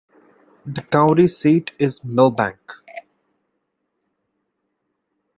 The county seat is Milbank.